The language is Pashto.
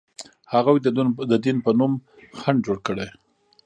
هغوی د دین په نوم خنډ جوړ کړ.